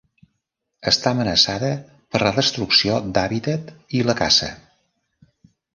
Està amenaçada per la destrucció d'hàbitat i la caça.